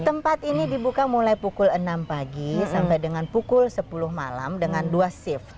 tempat ini dibuka mulai pukul enam pagi sampai dengan pukul sepuluh malam dengan dua shift